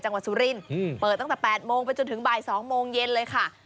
สุรินทร์เปิดตั้งแต่๘โมงไปจนถึงบ่าย๒โมงเย็นเลยค่ะ